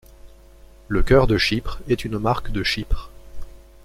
Le Cœur de Chypre est une marque de Chypre.